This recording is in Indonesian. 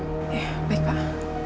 ya baik pak